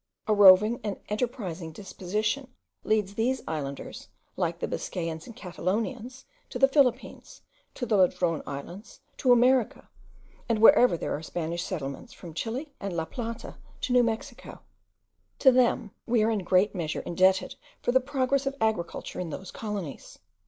A roving and enterprising disposition leads these islanders, like the Biscayans and Catalonians, to the Philippines, to the Ladrone Islands, to America, and wherever there are Spanish settlements, from Chile and La Plata to New Mexico. To them we are in a great measure indebted for the progress of agriculture in those colonies.